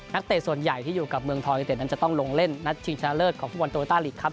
เตะส่วนใหญ่ที่อยู่กับเมืองทองยูเต็ดนั้นจะต้องลงเล่นนัดชิงชนะเลิศของฟุตบอลโตโยต้าลีกครับ